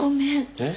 えっ？